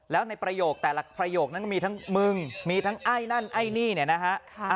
แล้วในประโยคแต่ละประโยคนั้นก็มีทั้งมึงมีทั้งไอ้นั่นไอ้นี่เนี่ยนะฮะ